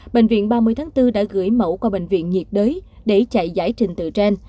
bệnh viện ba mươi tháng bốn đã gửi mẫu qua bệnh viện nhiệt đới để chạy giải trình tự trên